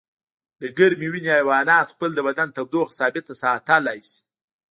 د ګرمې وینې حیوانات خپل د بدن تودوخه ثابته ساتلی شي